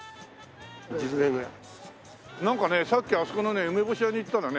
なんかねさっきあそこのね梅干し屋に行ったらね。